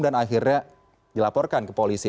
dan akhirnya dilaporkan ke polisi